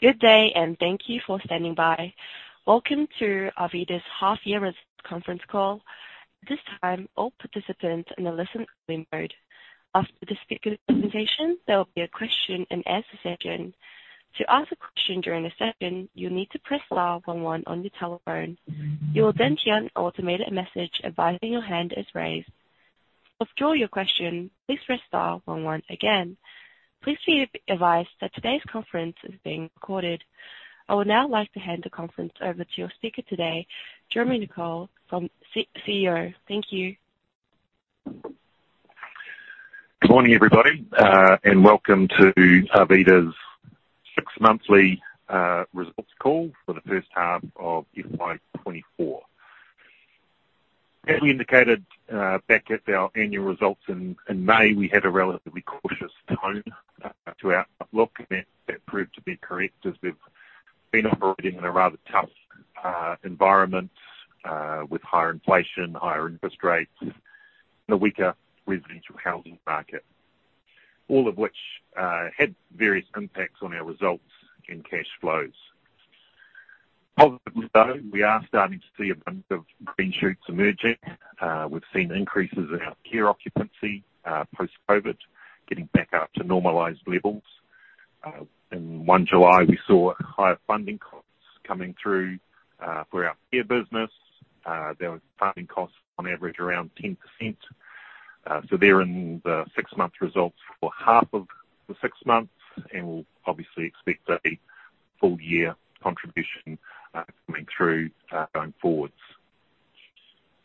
Good day, and thank you for standing by. Welcome to Arvida's half year results conference call. At this time, all participants in a listen-only mode. After the speaker presentation, there will be a question-and-answer session. To ask a question during the session, you'll need to press star one one on your telephone. You will then hear an automated message advising your hand is raised. To withdraw your question, please press star one one again. Please be advised that today's conference is being recorded. I would now like to hand the conference over to your speaker today, Jeremy Nicoll, Chief Executive Officer. Thank you. Good morning, everybody, and welcome to Arvida's Six-Monthly Results Call for the first half of FY 2024. As we indicated back at our annual results in May, we had a relatively cautious tone to our outlook, and that proved to be correct as we've been operating in a rather tough environment with higher inflation, higher interest rates, and a weaker residential housing market. All of which had various impacts on our results and cash flows. Positively, though, we are starting to see a bunch of green shoots emerging. We've seen increases in our care occupancy post-COVID, getting back up to normalized levels. In July, we saw higher funding costs coming through for our care business. There were funding costs on average around 10%. They're in the six-month results for half of the six months, and we'll obviously expect a full year contribution, coming through, going forwards.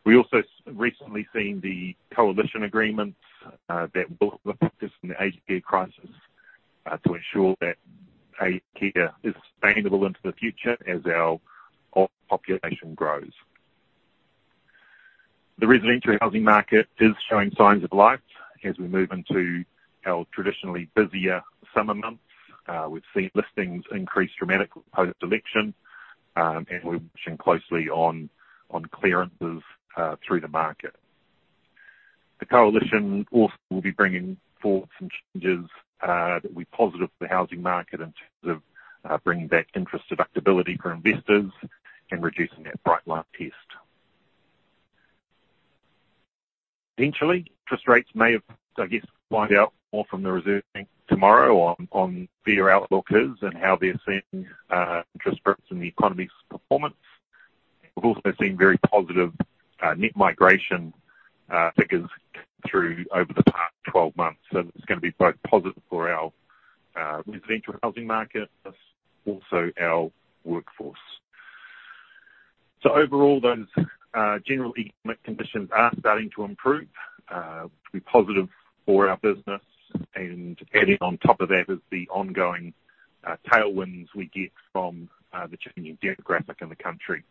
We also recently seen the coalition agreement that will focus on the aged care crisis to ensure that aged care is sustainable into the future as our old population grows. The residential housing market is showing signs of life as we move into our traditionally busier summer months. We've seen listings increase dramatically post-election, and we're watching closely on clearances through the market. The coalition also will be bringing forward some changes that will be positive for the housing market in terms of bringing back interest deductibility for investors and reducing that bright-line test. Eventually, interest rates may have, I guess, find out more from the Reserve Bank tomorrow on their outlooks and how they're seeing interest rates in the economy's performance. We've also seen very positive net migration figures through over the past 12 months. It's gonna be both positive for our residential housing market, plus also our workforce. Overall, those general economic conditions are starting to improve to be positive for our business. Adding on top of that is the ongoing tailwinds we get from the changing demographic in the country.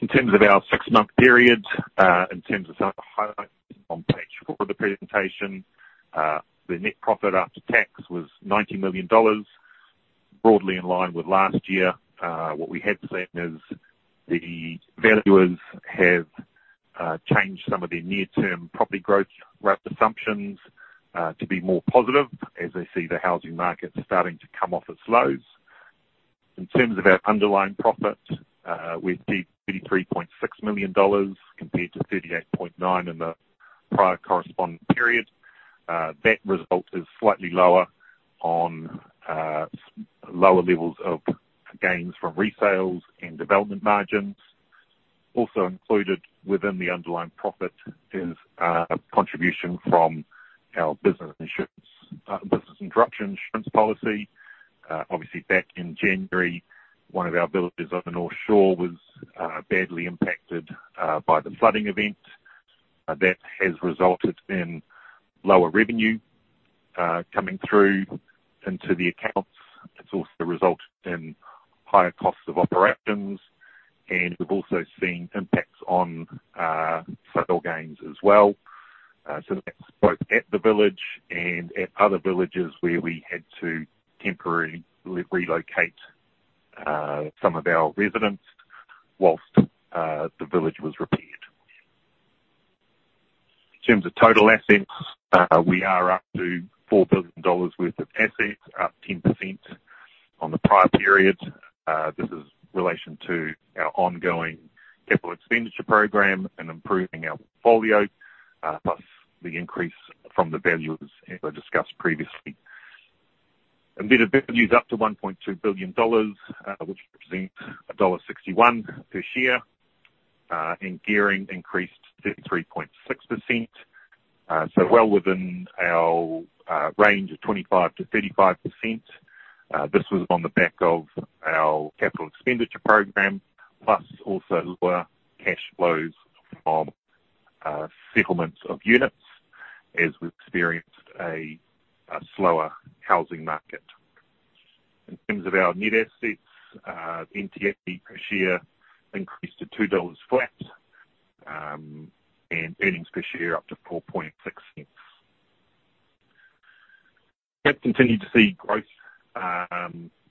In terms of our six-month period, in terms of some highlights on page 4 of the presentation, the net profit after tax was 90 million dollars, broadly in line with last year. What we have seen is the Valuers have changed some of their near-term property growth assumptions to be more positive as they see the housing market starting to come off its lows. In terms of our underlying profit, we see 33.6 million dollars compared to 38.9 million in the prior corresponding period. That result is slightly lower on lower levels of gains from resales and development margins. Included within the underlying profit is contribution from our business insurance, business interruption insurance policy. Obviously back in January, one of our villages on the North Shore was badly impacted by the flooding event. That has resulted in lower revenue coming through into the accounts. It's also resulted in higher costs of operations, and we've also seen impacts on sale gains as well. That's both at the village and at other villages where we had to temporarily relocate some of our residents while the village was repaired. In terms of total assets, we are up to 4 billion dollars worth of assets, up 10% on the prior period. This is in relation to our ongoing capital expenditure program and improving our portfolio, plus the increase from the valuers as I discussed previously. The value is up to 1.2 billion dollars, which represents dollar 1.61 per share, and gearing increased to 33.6%, so well within our range of 25%-35%. This was on the back of our capital expenditure program, plus also lower cash flows from settlements of units as we've experienced a slower housing market. In terms of our net assets, NTA per share increased to 2 dollars flat, and earnings per share up to 0.046. We have continued to see growth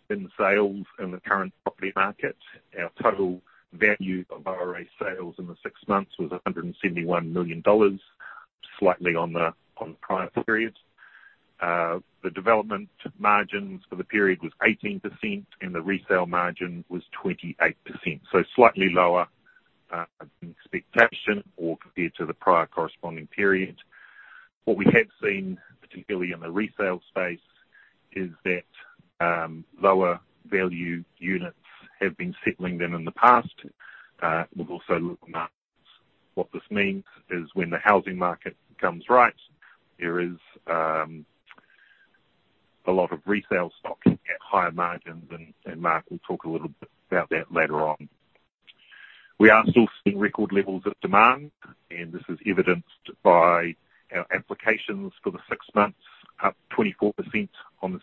in sales in the current property market. Our total value of ORA sales in the six months was 171 million dollars, slightly on the prior periods. The development margins for the period was 18%, and the resale margin was 28%. So slightly lower than expectation or compared to the prior corresponding period. What we have seen, particularly in the resale space, is that lower value units have been settling than in the past. We've also looked at margins. What this means is when the housing market comes right, there is a lot of resale stock at higher margins and Mark will talk a little bit about that later on. We are still seeing record levels of demand, and this is evidenced by our applications for the six months, up 24% on the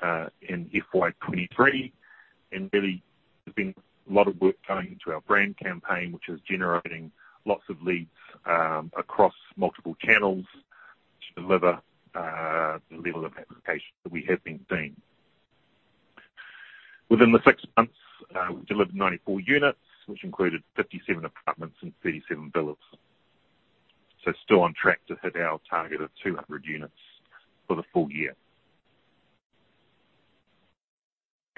same period in FY 2023. Really, there's been a lot of work going into our brand campaign, which is generating lots of leads across multiple channels to deliver the level of application that we have been seeing. Within the six months, we delivered 94 units, which included 57 apartments and 37 villas. Still on track to hit our target of 200 units for the full year.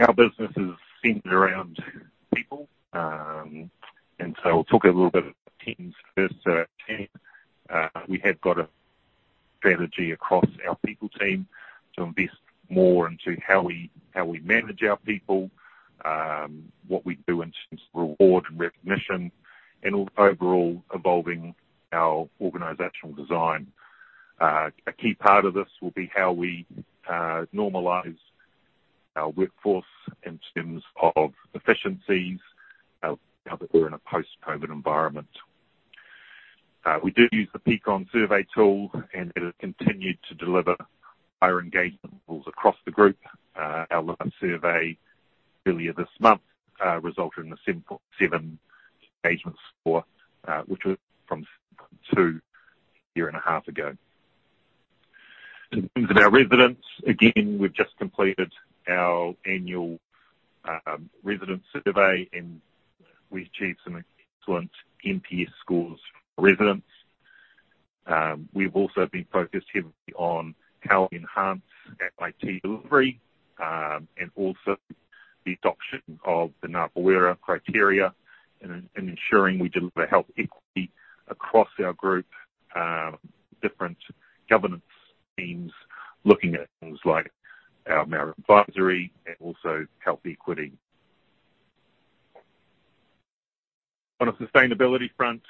Our business is centered around people, and so I'll talk a little bit about teams first. Team, we have got a strategy across our people team to invest more into how we manage our people, what we do in terms of reward and recognition, and overall, evolving our organizational design. A key part of this will be how we normalize our workforce in terms of efficiencies, now that we're in a post-COVID environment. We do use the Peakon survey tool, and it has continued to deliver higher engagement levels across the group. Our latest survey earlier this month resulted in a 7.7 engagement score, which was from 2 a year and a half ago. In terms of our residents, again, we've just completed our annual residence survey, and we achieved some excellent NPS scores from residents. We've also been focused heavily on how to enhance our IT delivery, and also the adoption of the Ngā Paerewa criteria in ensuring we deliver health equity across our group, different governance teams, looking at things like our Māori advisory and also health equity. On a sustainability front,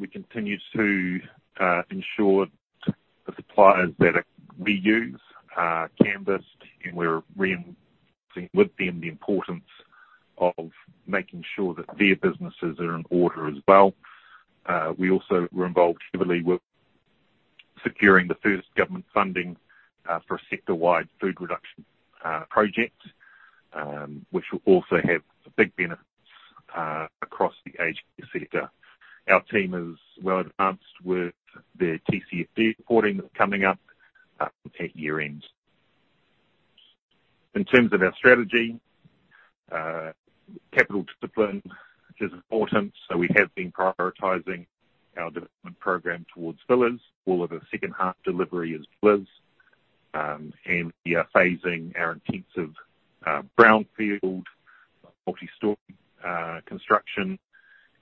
we continue to ensure the suppliers that we use are canvassed, and we're reinforcing with them the importance of making sure that their businesses are in order as well. We also were involved heavily with securing the first government funding for a sector-wide food reduction project, which will also have big benefits across the aged care sector. Our team is well advanced with their TCFD reporting coming up at year-end. In terms of our strategy, capital discipline is important, so we have been prioritizing our development program towards villas. All of the second half delivery is villas, and we are phasing our intensive, brownfield, multi-story, construction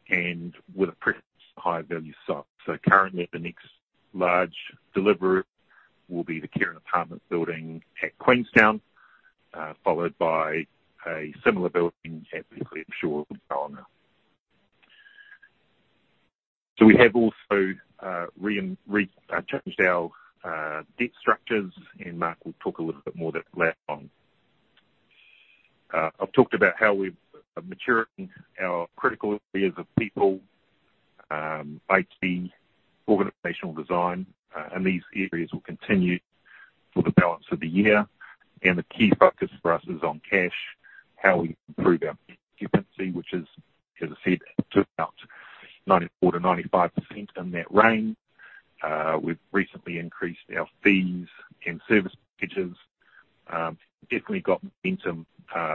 and with a preference for high-value sites. Currently, the next large delivery will be the current apartment building at Queenstown, followed by a similar building at the Clyde Street, Wellington. We have also, changed our, debt structures, and Mark will talk a little bit more about that later on. I've talked about how we've matured our critical areas of people, IT, organizational design, and these areas will continue for the balance of the year. The key focus for us is on cash, how we improve our occupancy, which is, as I said, to about 94%-95% in that range. We've recently increased our fees and service packages. Definitely got momentum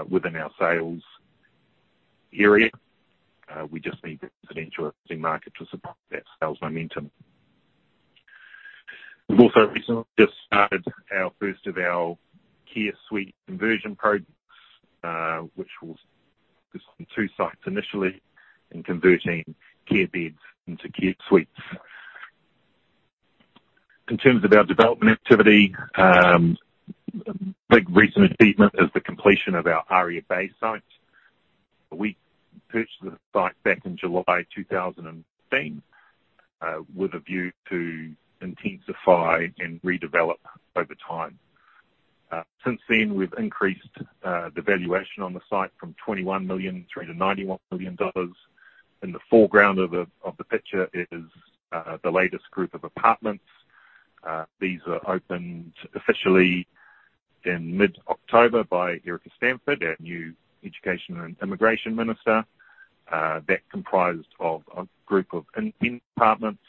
within our sales area. We just need the residential market to support that sales momentum. We've also recently just started our first of our care suite conversion projects, which will focus on two sites initially in converting care beds into care suites. In terms of our development activity, a big recent achievement is the completion of our Aria Bay site. We purchased the site back in July 2016, with a view to intensify and redevelop over time. Since then, we've increased the valuation on the site from 21 million through to 91 million dollars. In the foreground of the picture is the latest group of apartments. These are opened officially in mid-October by Erica Stanford, our new Education and Immigration Minister. That comprised of a group of apartments.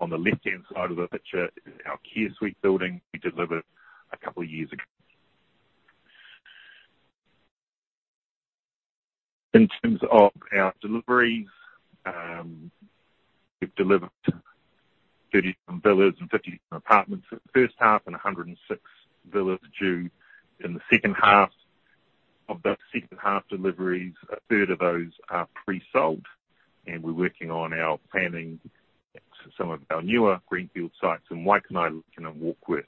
On the left-hand side of the picture is our care suite building we delivered a couple of years ago. In terms of our deliveries, we've delivered 37 villas and 57 apartments at the first half and 106 villas due in the second half. Of those second-half deliveries, a third of those are pre-sold, and we're working on our planning some of our newer greenfield sites in Waikanae and Warkworth.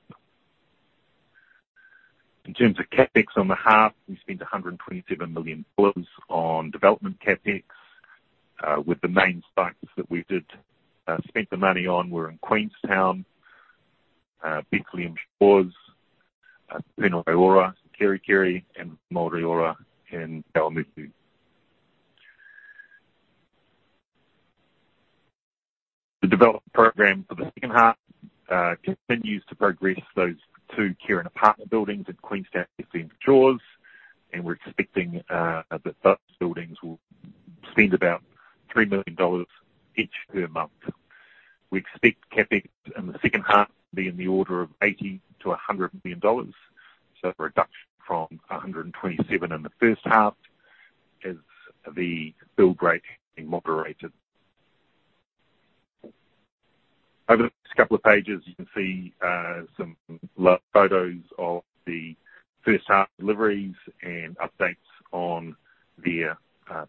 In terms of CapEx on the half, we spent 127 million dollars on development CapEx, with the main sites that we did spend the money on were in Queenstown, Bethlehem Shores, Puna Waiora, Kerikeri, and Mauri Ora, Te Awamutu. The development program for the second half continues to progress those 2 care and apartment buildings in Queenstown and Shores, and we're expecting that those buildings will spend about 3 million dollars each per month. We expect CapEx in the second half to be in the order of 80 million-100 million dollars, so a reduction from 127 in the first half as the build rate has been moderated. Over the next couple of pages, you can see some photos of the first half deliveries and updates on the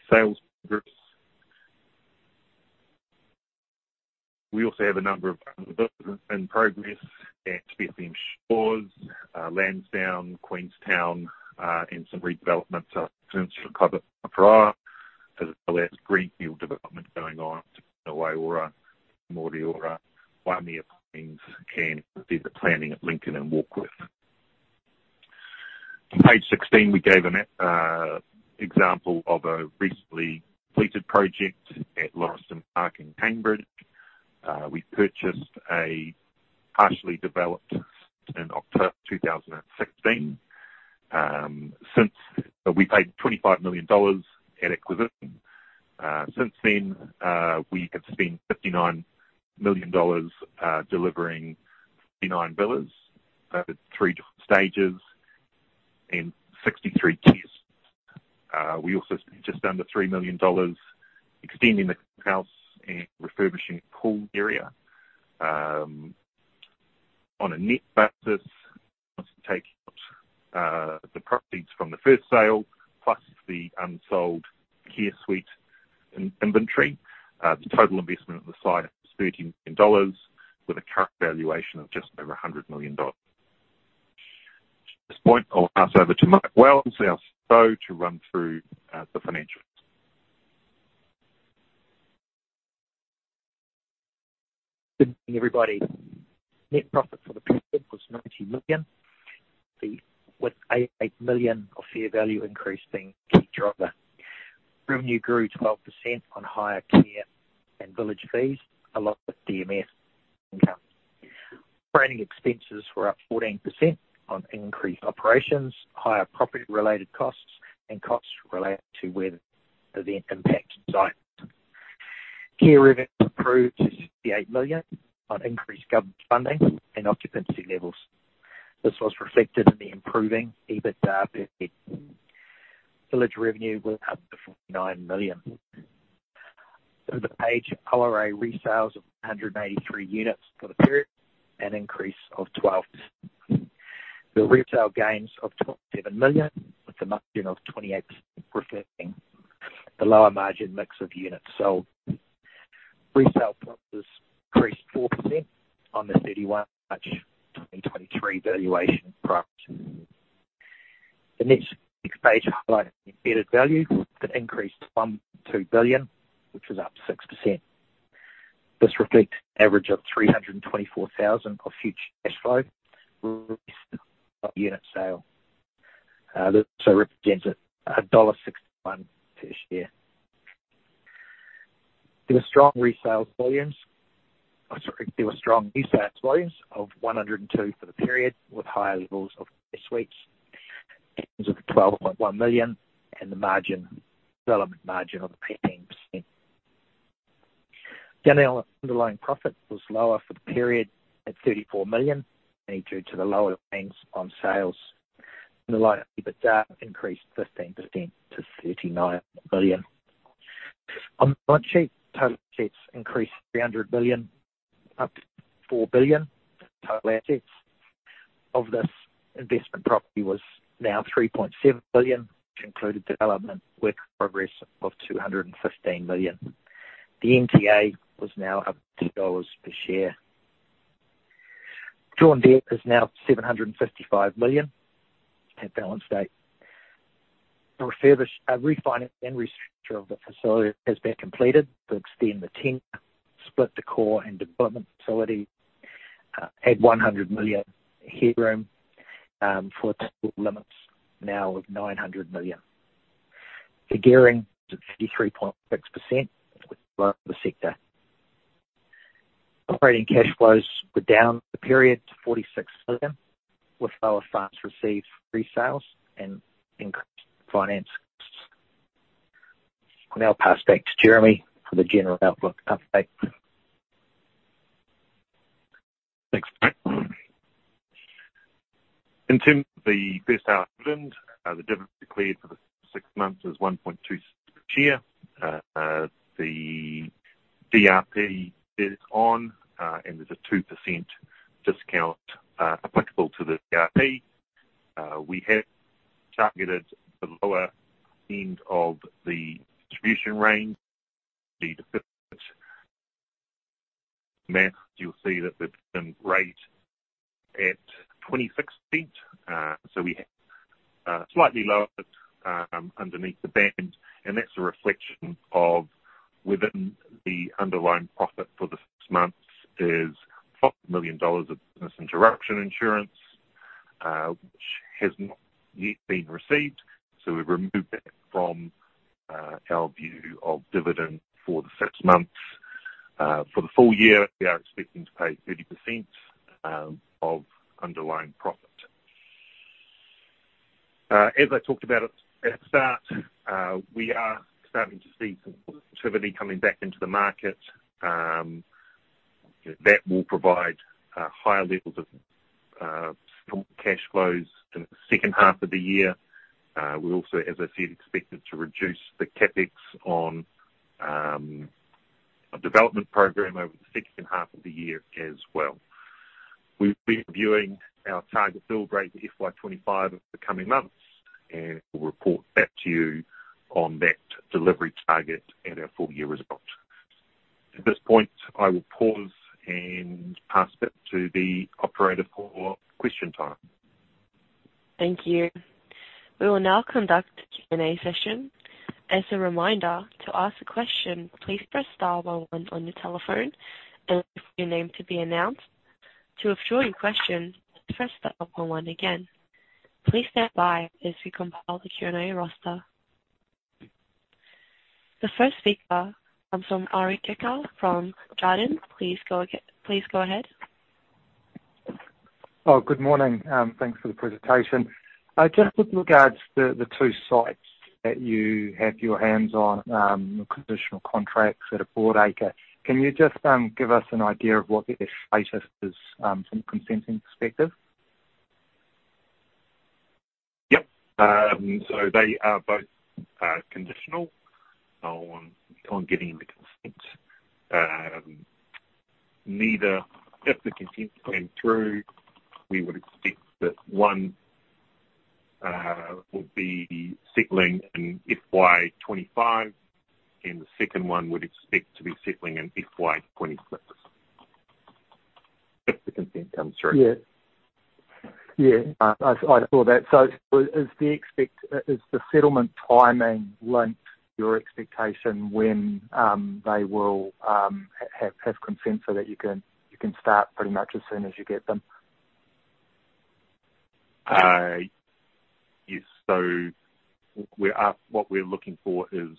sales groups. We also have a number of developments in progress at Bethlehem Shores, Lansdowne, Queenstown, and some redevelopments as well as since recovered prior, as well as greenfield development going on in Te Puna Waiora, Whai Mauri Ora, one near Queenstown, and there's the planning at Lincoln and Warkworth. On page 16, we gave an example of a recently completed project at Lauriston Park in Cambridge. We purchased a partially developed in October 2016. Since we paid 25 million dollars at acquisition. Since then, we have spent 59 million dollars delivering 39 villas at three different stages and 63 care suites. We also spent just under 3 million dollars extending the house and refurbishing the pool area. On a net basis, take out the proceeds from the first sale, plus the unsold care suite in inventory. The total investment of the site is NZD 13 million, with a current valuation of just over NZD 100 million. At this point, I'll pass over to Mark Wells, our CFO, to run through the financials. Good morning, everybody. Net profit for the period was 90 million, with 88 million of fair value increase being the key driver. Revenue grew 12% on higher care and village fees, along with DMF income. Operating expenses were up 14% on increased operations, higher property-related costs, and costs related to weather event impact sites. Care revenues improved to 68 million on increased government funding and occupancy levels. This was reflected in the improving EBITDA per head. Village revenue went up to 49 million. So ORA resales of 183 units for the period, an increase of 12%. The resale gains of 27 million, with a margin of 28%, reflecting the lower margin mix of units sold. Resale prices increased 4% on the 31 March 2023 valuation price. The next page highlights the embedded value that increased to 1.2 billion, which was up 6%. This reflects an average of 324,000 of future cash flow unit sale. This also represents dollar 61 per share. There were strong resales volumes. I'm sorry, there were strong new sales volumes of 102 for the period, with higher levels of care suites, of 12.1 million, and the margin, development margin of 18%. The underlying profit was lower for the period at 34 million, mainly due to the lower gains on sales. The underlying EBITDA increased 15% to 39 billion. On the balance sheet, total assets increased 300 million, up to 4 billion total assets. Of this, investment property was now 3.7 million, which included development work in progress of 215 million. The NTA was now up NZD 2 per share. Drawing debt is now 755 million at balance date. The refurbish, refinance and restructure of the facility has been completed to extend the ten, split the core and development facility, add 100 million headroom, for total limits now of 900 million. Gearing is at 53.6%, below the sector. Operating cash flows were down the period to 46 million, with lower funds received resales and increased finance costs. I'll now pass back to Jeremy for the general outlook update. In terms of the first half dividend, the dividend declared for the six months is 1.26 per share. The DRP is on, and there's a 2% discount applicable to the DRP. We have targeted the lower end of the distribution range, the 95%. Now, you'll see that the rate at 26 cents, so we have slightly lower underneath the band, and that's a reflection of within the underlying profit for the six months is 5 million dollars of business interruption insurance, which has not yet been received. We've removed that from our view of dividend for the six months. For the full year, we are expecting to pay 30% of underlying profit. As I talked about at the start, we are starting to see some activity coming back into the market that will provide higher levels of cash flows in the second half of the year. We also, as I said, expected to reduce the CapEx on a development program over the second half of the year as well. We've been viewing our target build rate for FY 25 of the coming months, and we'll report that to you on that delivery target and our full year results. At this point, I will pause and pass it to the operator for question time. Thank you. We will now conduct the Q&A session. As a reminder, to ask a question, please press star one one on your telephone and wait for your name to be announced. To withdraw your question, press star one one again. Please stand by as we compile the Q&A roster. The first speaker comes from Arie Dekker from Jarden. Please go ahead. Oh, good morning. Thanks for the presentation. Just with regards to the two sites that you have your hands on, conditional contracts at a broad acre, can you just give us an idea of what their status is, from a consenting perspective? Yep. They are both conditional on getting the consent. Neither, if the consent came through, we would expect that one would be settling in FY 2025, and the second one would expect to be settling in FY 2026, if the consent comes through. Yeah. Yeah, I thought that. Is the settlement timing linked to your expectation when they will have consent so that you can start pretty much as soon as you get them? Yes. What we're looking for is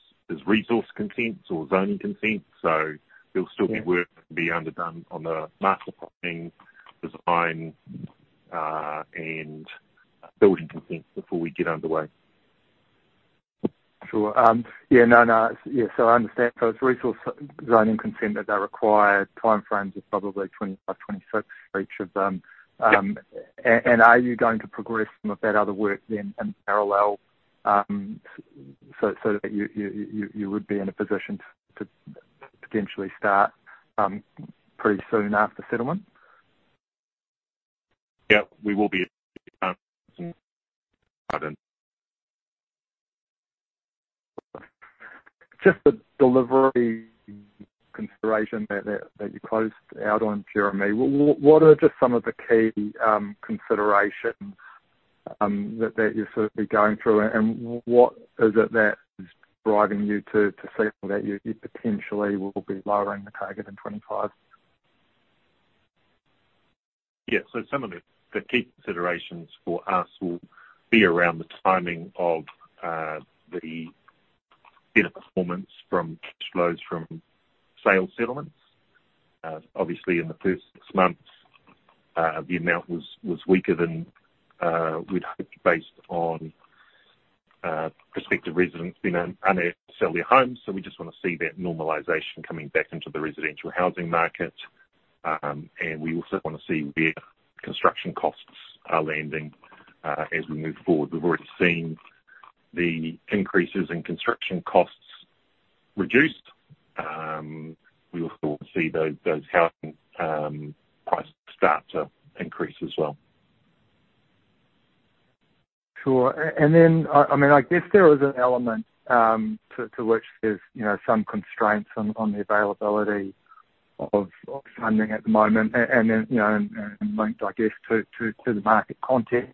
resource consent or zoning consent, so there'll still- Yeah be work to be underdone on the master planning, design, and building consent before we get underway. Sure. Yeah, no, no. Yeah, so I understand. It's resource zoning consent that are required timeframes is probably 2025, 2026 for each of them. Yeah. Are you going to progress some of that other work then in parallel, so that you would be in a position to potentially start pretty soon after settlement? Yeah, we will be, Just the delivery consideration that you closed out on, Jeremy. What are just some of the key considerations that you're sort of be going through, and what is it that is driving you to signal that you potentially will be lowering the target in 25? Yeah. Some of the key considerations for us will be around the timing of the performance from cash flows from sales settlements. Obviously, in the first six months, the amount was weaker than we'd hoped, based on prospective residents being unable to sell their homes. We just want to see that normalization coming back into the residential housing market. And we also want to see where construction costs are landing, as we move forward. We've already seen the increases in construction costs reduced. We also want to see those housing prices start to increase as well. Sure. Then, I mean, I guess there is an element to which there's, you know, some constraints on the availability of funding at the moment, and then, you know, and linked, I guess, to the market context.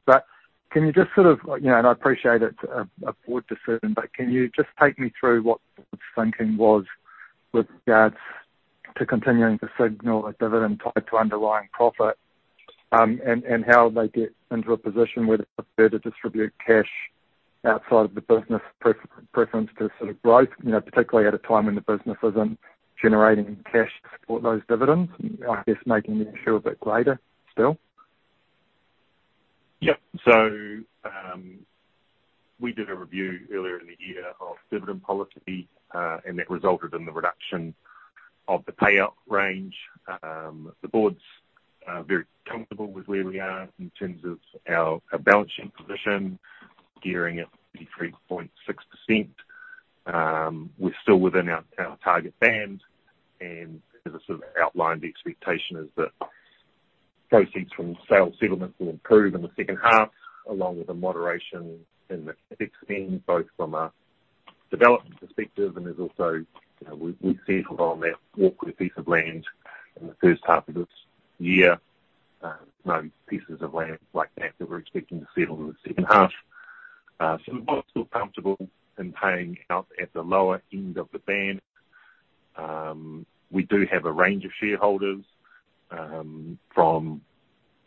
Can you just sort of, you know, and I appreciate it's a board decision, but can you just take me through what the thinking was with regards to continuing to signal a dividend tied to underlying profit, and how they get into a position where they prefer to distribute cash outside of the business preference to sort of growth, you know, particularly at a time when the business isn't generating cash to support those dividends, I guess, making the issue a bit greater still? Yep. We did a review earlier in the year of dividend policy, and that resulted in the reduction of the payout range. The boards are very comfortable with where we are in terms of our, our balance sheet position, gearing at 83.6%. We're still within our, our target band, and as I sort of outlined, the expectation is that proceeds from sales settlements will improve in the second half, along with the moderation in the CapEx spend, both from a development perspective and there's also, you know, we, we've settled on that Auckland piece of land in the first half of this year. No pieces of land like that, that we're expecting to settle in the second half. So we're still comfortable in paying out at the lower end of the band. We do have a range of shareholders, from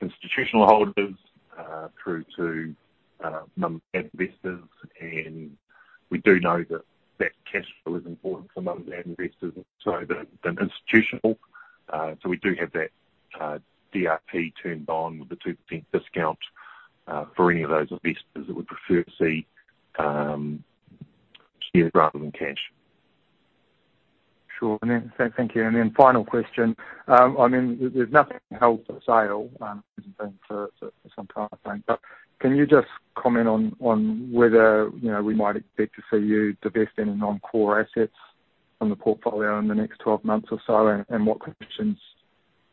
institutional holders, through to, number of investors, and we do know that that cash flow is important for a lot of our investors, so the, the institutional. We do have that, DRP turned on with the 2% discount, for any of those investors that would prefer to see, share rather than cash. Sure. Thank you. And final question. I mean, there's nothing held for sale for some time, but can you just comment on whether, you know, we might expect to see you divesting any non-core assets from the portfolio in the next 12 months or so, and what conditions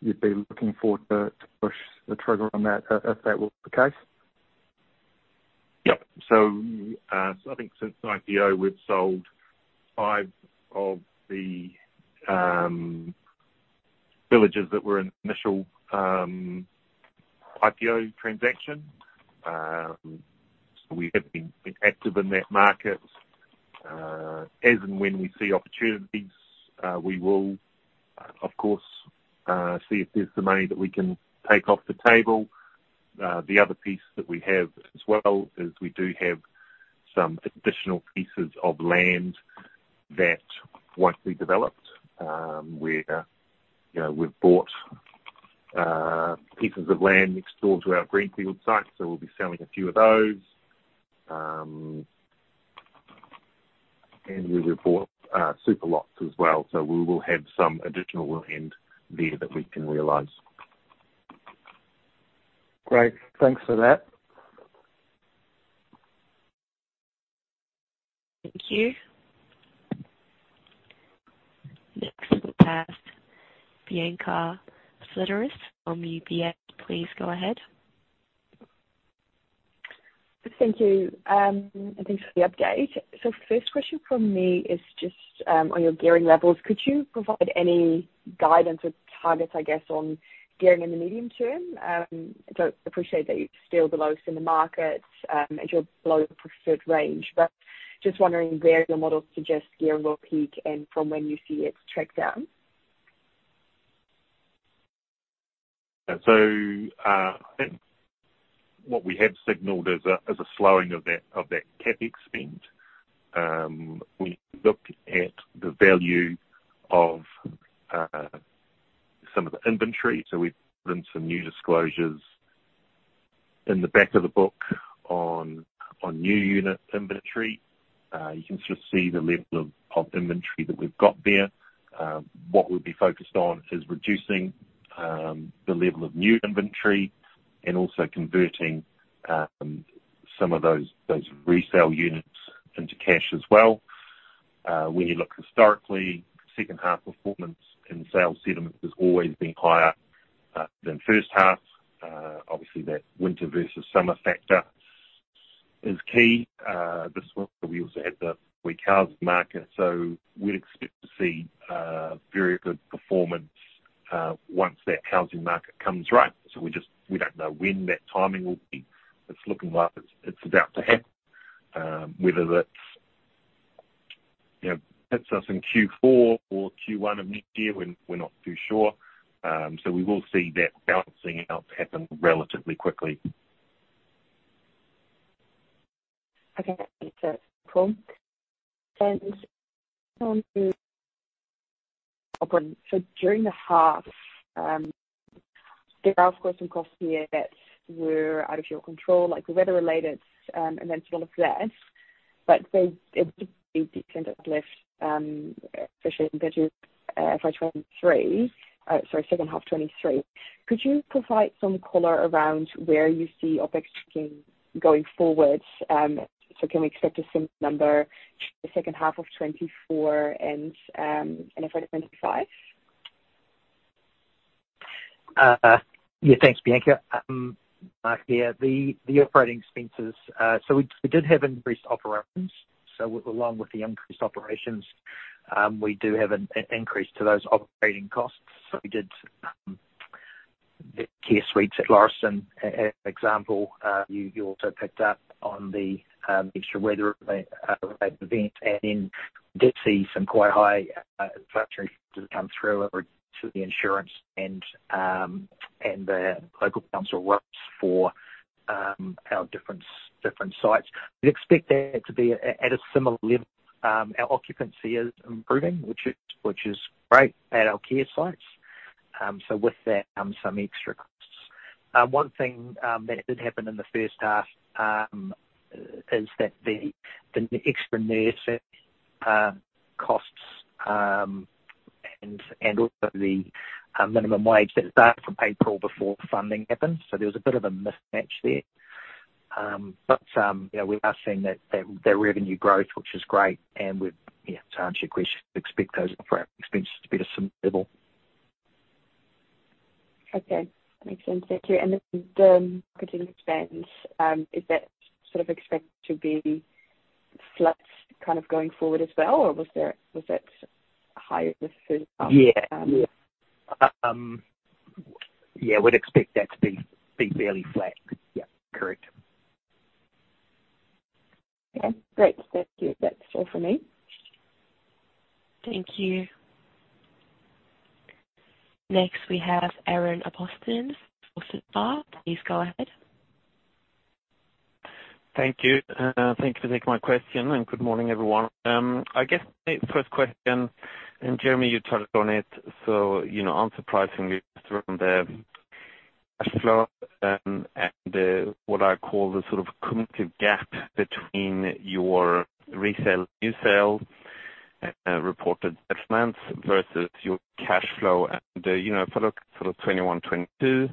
you'd be looking for to push the trigger on that, if that was the case? Yep. I think since IPO, we've sold 5 of the villages that were in initial IPO transaction. We have been active in that market. As and when we see opportunities, we will, of course, see if there's the money that we can take off the table. The other piece that we have as well is we do have some additional pieces of land that won't be developed, where, you know, we've bought pieces of land next door to our Greenfield site, so we'll be selling a few of those. And we will bought super lots as well, so we will have some additional land there that we can realize. Great. Thanks for that. Thank you. Next, we'll pass Bianca Fledderus from UBS. Please go ahead. Thank you. Thanks for the update. First question from me is just on your gearing levels. Could you provide any guidance or targets, I guess, on gearing in the medium term? So appreciate that you're still the lowest in the market as you're below your preferred range, but just wondering where your model suggests gearing will peak and from when you see it track down. I think what we have signaled is a slowing of that CapEx spend. We looked at the value of some of the inventory, so we've done some new disclosures in the back of the book on new unit inventory. You can just see the level of inventory that we've got there. What we'll be focused on is reducing the level of new inventory and also converting some of those resale units into cash as well. When you look historically, second half performance and sales settlement has always been higher than first half. Obviously, that winter versus summer factor is key. This one, we also had the weak housing market, so we'd expect to see very good performance once that housing market comes right. We don't know when that timing will be. It's looking like it's about to happen. Whether that's, you know, hits us in Q4 or Q1 of next year, we're, we're not too sure. We will see that balancing out happen relatively quickly. Okay, so cool. During the half, there are of course some costs here that were out of your control, like weather-related, and then some of that. It did lift, especially compared to for 2023, sorry, second half 2023. Could you provide some color around where you see OpEx checking going forward? So can we expect a similar number the second half of 2024 and, and for 2025? Yeah, thanks, Bianca. Yeah, the operating expenses, so we did have increased operations. Along with the increased operations, we do have an increase to those operating costs. We did care suites at Lansdowne, as example, you also picked up on the extra weather event, and then did see some quite high inflationary come through over to the insurance and the local council works for our different sites. We'd expect that to be at a similar level. Our occupancy is improving, which is great at our care sites. So with that comes some extra costs... One thing that did happen in the first half is that the extra nurse costs and also the minimum wage that started from April before funding happened. There was a bit of a mismatch there. You know, we are seeing that revenue growth, which is great, and we're yeah, to answer your question, expect those for our expenses to be at a similar level. Okay, makes sense. Thank you. Then the marketing expense, is that sort of expected to be flat kind of going forward as well, or was there, was that higher the first part? Yeah. Yeah, we'd expect that to be fairly flat. Yeah, correct. Okay, great. Thank you. That's all for me. Thank you. Next, we have Aaron Apostol, Morgan Stanley. Please go ahead. Thank you. Thank you for taking my question, and good morning, everyone. I guess the first question, and Jeremy, you touched on it, so, you know, unsurprisingly from the cash flow, and the, what I call the sort of cumulative gap between your resale, new sale, reported assessments versus your cash flow. For look for the 2021, 2022,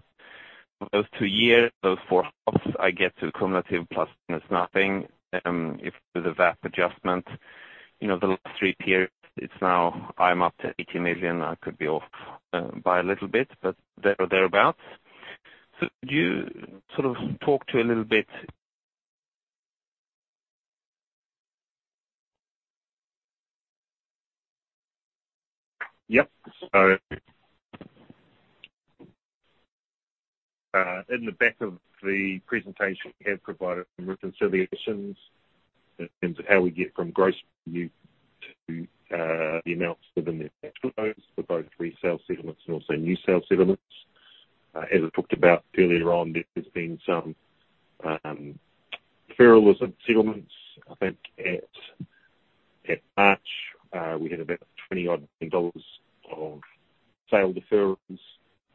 those two years, those four halves, I get to cumulative plus nothing. If the VAP adjustment, you know, the last three periods, it's now I'm up to 80 million. I could be off, by a little bit, but there or thereabout. Do you sort of talk to a little bit? Yep. In the back of the presentation, we have provided some reconciliations in terms of how we get from gross view to the amounts within the cash flows for both resale settlements and also new sale settlements. As I talked about earlier on, there has been some deferral of settlements. I think at March, we had about 20-odd billion dollars of sale deferrals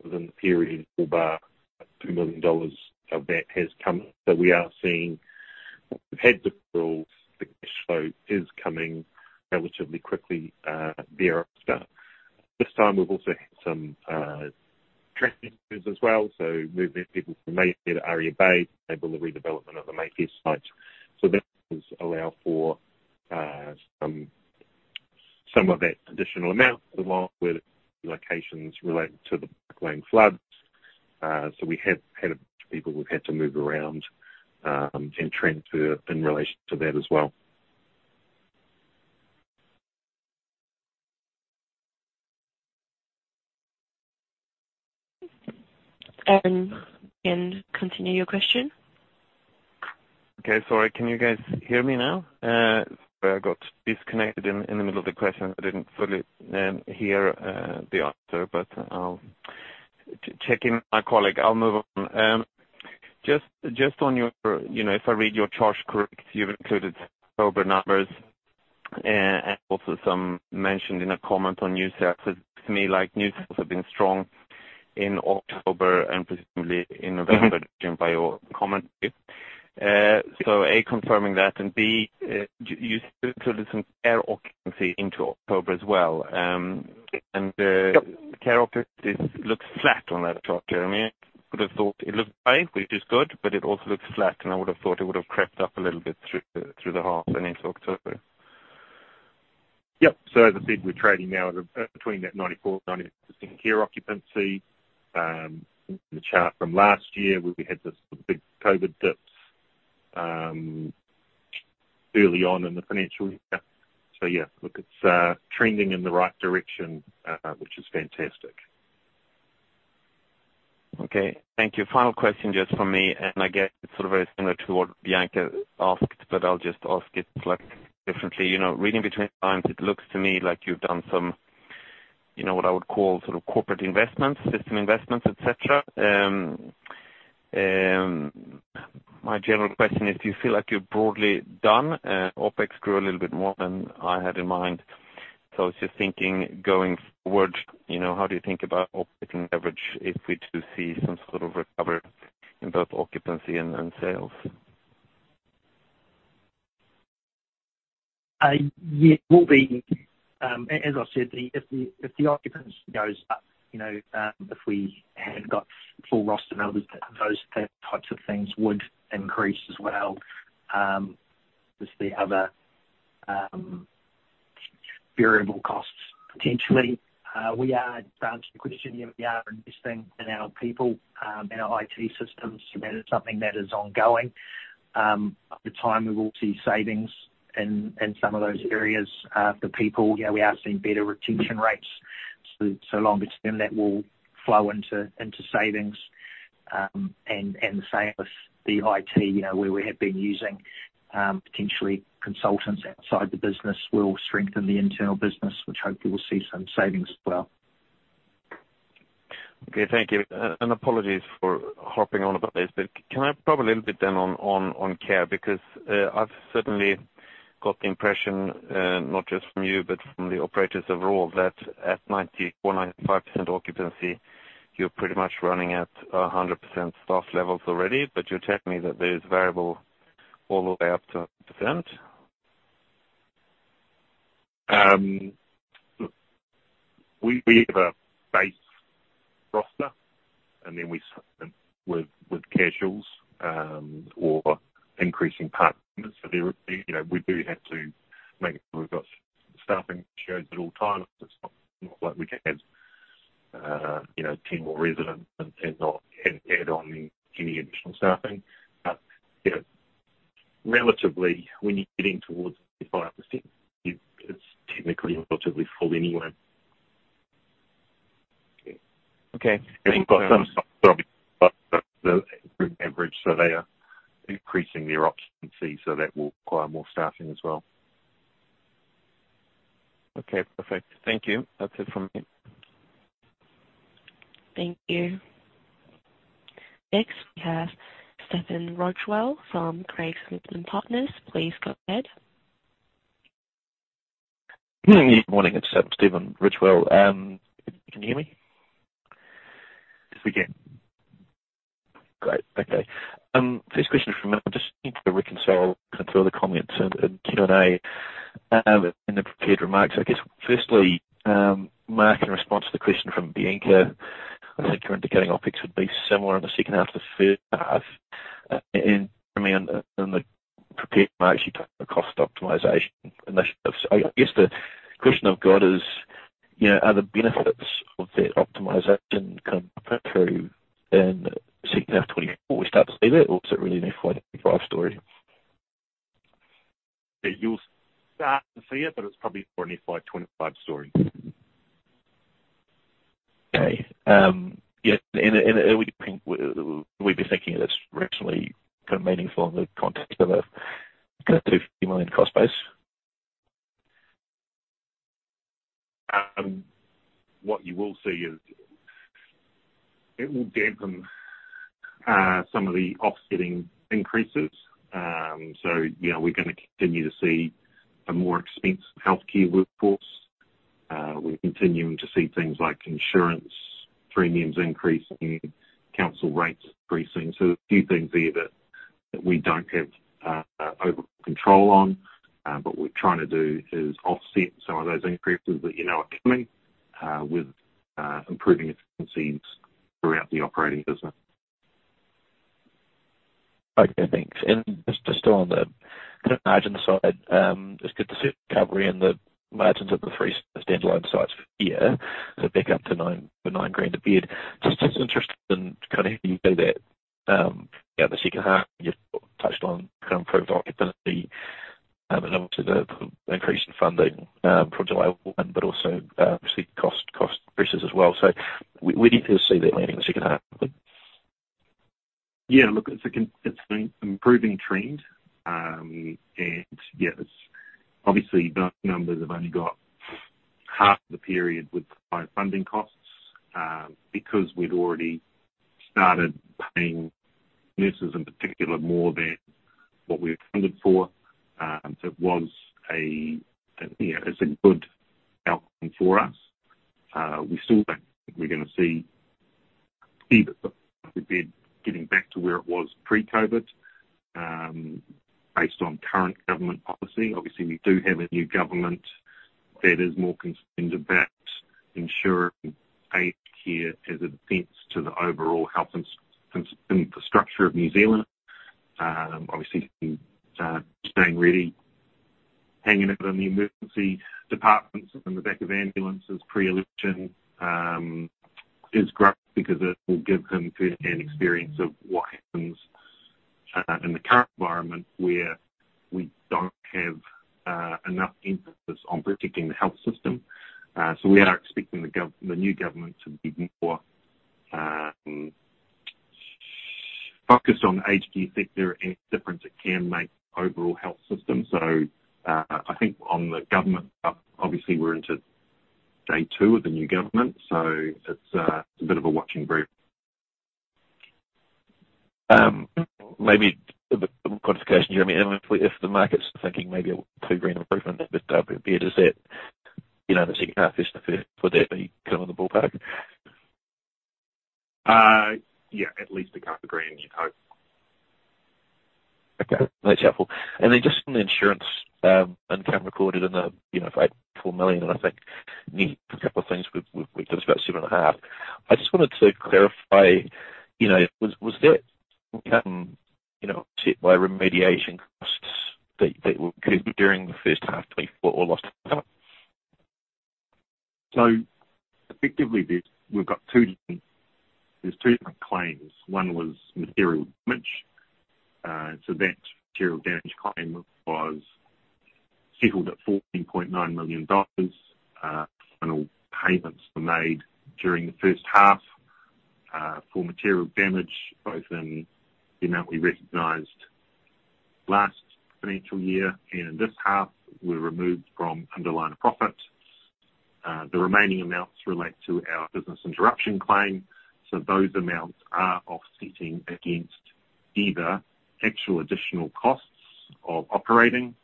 within the period, but 2 million dollars of that has come. We are seeing, we've had deferrals, the cash flow is coming relatively quickly thereafter. This time, we've also had some traffic issues as well. So we've moved people from Mayfair to Aria Bay, enable the redevelopment of the Mayfair site. That allow for some of that additional amount, along with locations related to the Park Lane floods. We have had a bunch of people we've had to move around, and transfer in relation to that as well. Continue your question. Okay, sorry. Can you guys hear me now? I got disconnected in the middle of the question. I didn't fully hear the answer, but I'll check with my colleague. I'll move on. Just, just on your, you know, if I read your charts correctly, you've included October numbers, and also some mention in a comment on new sales. It looks to me like new sales have been strong in October and presumably in November, by your commentary. So, A, confirming that, and B, you included some care occupancy into October as well. Yep. Care occupancy looks flat on that chart, Jeremy. I would have thought it looked high, which is good, but it also looks flat, and I would have thought it would have crept up a little bit through the half and into October. Yep. As I said, we're trading now at between that 94-90 care occupancy. The chart from last year, where we had this big COVID dips early on in the financial year. Yeah, look, it's trending in the right direction, which is fantastic. Okay, thank you. Final question just from me, and I guess it's sort of very similar to what Bianca asked, but I'll just ask it, like, differently. You know, reading between the lines, it looks to me like you've done some, you know, what I would call sort of corporate investments, system investments, et cetera. My general question is, do you feel like you're broadly done? OpEx grew a little bit more than I had in mind. I was just thinking, going forward, you know, how do you think about operating leverage if we do see some sort of recovery in both occupancy and sales? Yeah, we'll be, as I said, if the occupancy goes up, you know, if we had got full roster members, those types of things would increase as well, as the other variable costs potentially. We are, to answer the question, yeah, we are investing in our people, our IT systems. That is something that is ongoing. At the time, we will see savings in some of those areas. The people, yeah, we are seeing better retention rates, so longer term, that will flow into savings. The same with the IT, you know, where we have been using potentially consultants outside the business will strengthen the internal business, which hopefully we'll see some savings as well. Okay, thank you. Apologies for harping on about this, but can I probe a little bit then on care? Because I've certainly got the impression, not just from you, but from the operators overall, that at 94%-95% occupancy, you're pretty much running at 100% staff levels already. You're telling me that there is variable all the way up to 1%? We have a base roster, and then with casuals or increasing partners. There, you know, we do have to make sure we've got staffing ratios at all times. It's not like we can have, you know, 10 more residents and not add on any additional staffing. Relatively, when you're getting towards 5%, it's technically relatively full anyway. Okay. We've got some group average, so they are increasing their occupancy, so that will require more staffing as well. Okay, perfect. Thank you. That's it from me. Thank you. Next, we have Stephen Ridgewell from Craigs Investment Partners. Please go ahead. Good morning, it's Stephen Ridgewell. Can you hear me? Yes, we can. Great. Okay. First question from him, just need to reconcile some of the comments and Q&A in the prepared remarks. I guess, firstly, Mark, in response to the question from Bianca, I think you're indicating OpEx would be similar in the second half to the first half. For me, in the prepared remarks, you took the cost optimization initiatives. I guess the question I've got is, you know, are the benefits of that optimization come through in second half of 2024? We start to see that or is it really an FY 2025 story? You'll start to see it, but it's probably more an FY 2025 story. Okay. Yeah, and we'd be thinking that's rationally kind of meaningful in the context of a 2 million cost base. What you will see is it will dampen some of the offsetting increases. We're gonna continue to see a more expensive healthcare workforce. We're continuing to see things like insurance premiums increasing, council rates increasing. A few things there that we don't have overall control on. What we're trying to do is offset some of those increases that you know are coming with improving efficiencies throughout the operating business. Okay, thanks. Just, on the kind of margin side, it's good to see the recovery and the margins of the three standalone sites here. Back up to 99,000 a bed. Just, just interested in kind of how you do that, in the second half. You've touched on improved occupancy, and obviously the increase in funding, from July one, but also, obviously cost, cost pressures as well. So where do you see that landing in the second half? Yeah, look, it's an improving trend. Yes, obviously, those numbers have only got half the period with higher funding costs, because we'd already started paying nurses in particular more than what we were funded for. You know, it's a good outcome for us. We still think we're gonna see the bed getting back to where it was pre-COVID, based on current government policy. Obviously, we do have a new government that is more concerned about ensuring aged care as a defense to the overall health infrastructure of New Zealand. Obviously, Shane Reti, hanging out in the emergency departments in the back of ambulances pre-election, is great because it will give him firsthand experience of what happens in the current environment where we don't have enough emphasis on protecting the health system. We are expecting the new government to be more focused on the aged care sector and the difference it can make to the overall health system. I think on the government, obviously we're into day two of the new government, so it's a bit of a watching brief. Maybe a bit of qualification. I mean, if the market's thinking maybe a 2,000 improvement, but is that, you know, in the second half is the first, would that be kind of the ballpark? Yeah, at least NZD 2,000, you'd hope. Okay, that's helpful. Then just on the insurance, income recorded in the, you know, 84 million, and I think need a couple of things with just about 7.5 million. I just wanted to clarify, you know, was that income, you know, hit by remediation costs that were during the first half, 2024 or last time? Effectively, there's two different claims. One was material damage. That material damage claim was settled at 14.9 million dollars. All payments were made during the first half for material damage, both in the amount we recognized last financial year and in this half, were removed from underlying profit. The remaining amounts relate to our business interruption claim, so those amounts are offsetting against either actual additional costs of operating,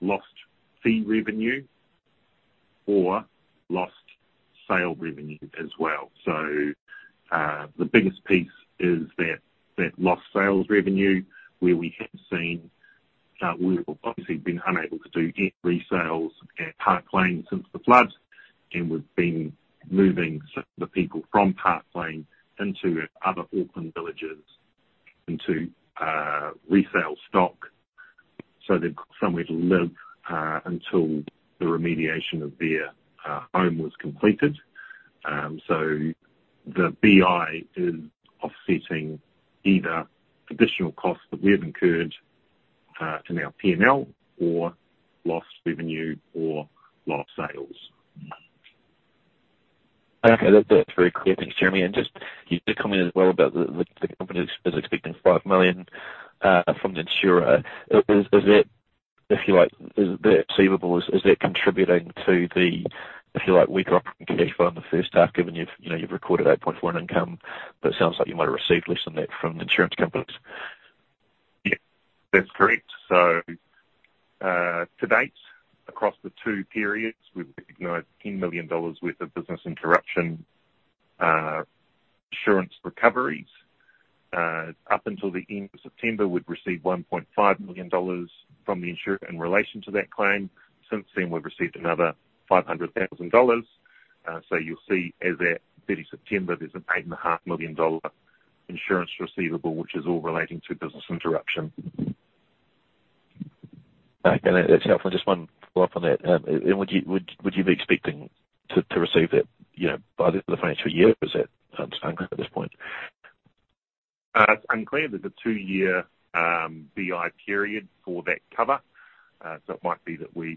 lost fee revenue or lost sale revenue as well. The biggest piece is that, that lost sales revenue, where we have seen, we've obviously been unable to do any resales at Park Lane since the floods, and we've been moving some of the people from Park Lane into other Auckland villages, into, resale stock, so they've got somewhere to live, until the remediation of their, home was completed. The BI is offsetting either additional costs that we have incurred, to our PNL or lost revenue or loss sales. Okay, that's very clear. Thanks, Jeremy. Just, you did comment as well about the, the company is expecting 5 million from the insurer. Is that, if you like, receivable, is that contributing to the, if you like, weaker operating cash flow in the first half, given you've, you know, you've recorded 8.1 income, but it sounds like you might have received less than that from the insurance companies? Yeah, that's correct. To date, across the two periods, we've recognized 10 million dollars worth of business interruption insurance recoveries. Up until the end of September, we'd received 1.5 million dollars from the insurer in relation to that claim. Since then, we've received another 500,000 dollars. You'll see as at 30 September, there's an 8.5 million dollar insurance receivable, which is all relating to business interruption. Okay, that's helpful. Just one follow up on that. Would you be expecting to receive that, you know, by the end of the financial year, or is that unclear at this point? It's unclear. There's a two-year BI period for that cover. It might be that we're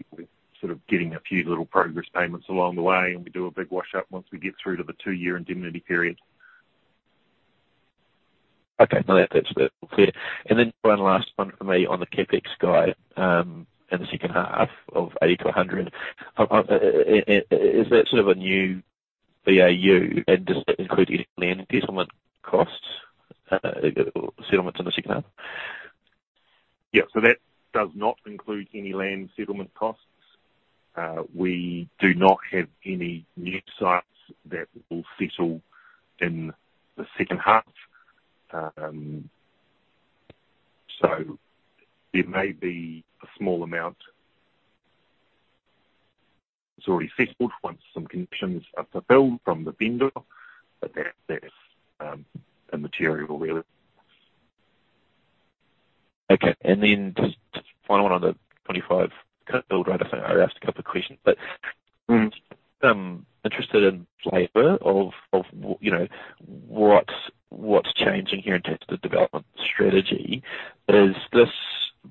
sort of getting a few little progress payments along the way, and we do a big wash up once we get through to the two-year indemnity period. Okay. No, that's, that's clear. Then one last one for me on the CapEx guide in the second half of 80-100. Is that sort of a new BAU, and does that include any land settlement costs, settlements in the second half? Yeah. That does not include any land settlement costs. We do not have any new sites that will settle in the second half. There may be a small amount that's already settled once some conditions are fulfilled from the vendor, but that's immaterial, really. Okay, and then just, just final one on the 25 build rate. I'm sorry, I asked a couple of questions, but- Interested in flavor of, you know, what's changing here in terms of the development strategy. Is this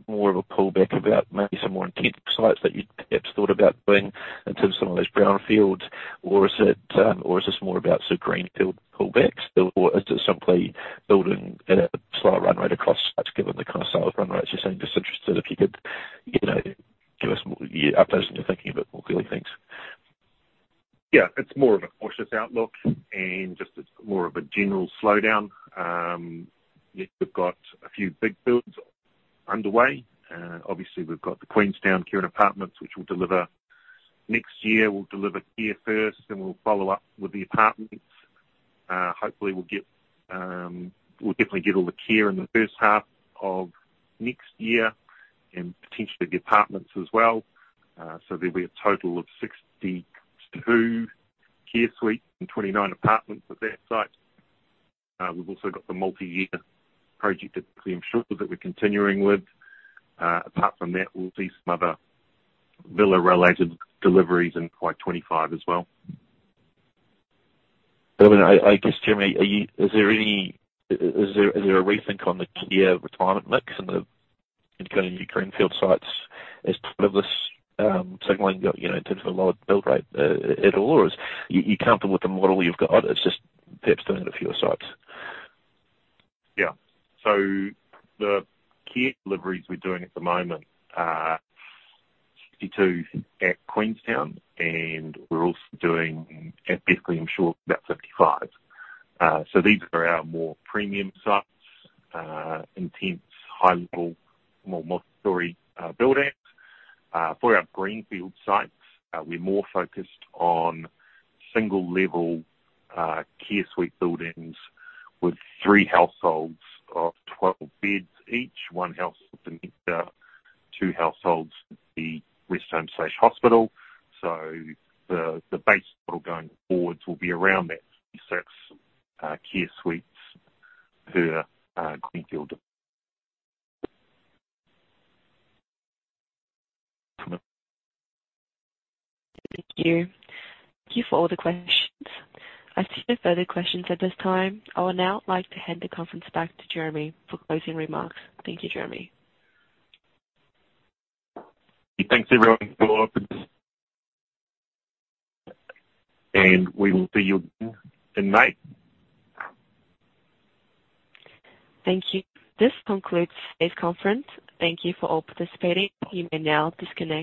more of a pullback about maybe some more intense sites that you'd perhaps thought about doing in terms of some of those brownfields? Or is it, or is this more about sort of greenfield pullbacks, or is it simply building at a slower run rate across sites, given the kind of sales run rates you're seeing? Just interested if you could, you know, give us more of your updates into thinking a bit more clearly. Thanks. Yeah, it's more of a cautious outlook and just it's more of a general slowdown. Yes, we've got a few big builds underway. Obviously, we've got the Queenstown care and apartments, which we'll deliver next year. We'll deliver care first, then we'll follow up with the apartments. Hopefully we'll get, we'll definitely get all the care in the first half of next year and potentially the apartments as well. There'll be a total of 62 care suites and 29 apartments at that site. We've also got the multi-year project at Clem Shortland that we're continuing with. Apart from that, we'll see some other villa-related deliveries in 2025 as well. I guess, Jeremy, is there any rethink on the care retirement mix and the going into greenfield sites as part of this signaling, you know, in terms of a lower build rate at all? Or you're comfortable with the model you've got, it's just perhaps doing it a few sites? Yeah. The key deliveries we're doing at the moment are 62 at Queenstown, and we're also doing at basically, I'm sure, about 55. These are our more premium sites, intense, high level, more multi-story buildings. For our greenfield sites, we're more focused on single level care suite buildings with three households of 12 beds each, one household for mixed care, two households, the rest home/hospital. So the base model going forwards will be around that 6 care suites per greenfield. Thank you. Thank you for all the questions. I see no further questions at this time. I would now like to hand the conference back to Jeremy for closing remarks. Thank you, Jeremy. Thanks, everyone, for... We will see you in May. Thank you. This concludes today's conference. Thank you for all participating. You may now disconnect.